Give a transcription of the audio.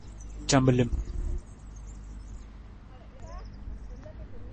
Camilim.